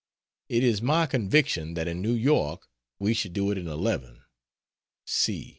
It is my conviction that in New York we should do it in eleven. C.